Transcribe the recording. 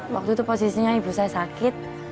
waktu itu posisinya ibu saya sakit